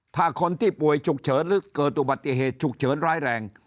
ถ้าคนที่ป่วยฉุกเฉินหรือเกิดอุบัติเหตุฉุกเฉินร้ายแรง